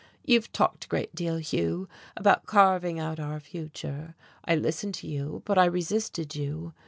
You've talked a great deal, Hugh, about carving out our future. I listened to you, but I resisted you.